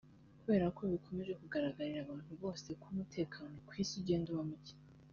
Kubera ko bikomeje kugaragarira abantu bose ko umutekano ku isi ugenda uba muke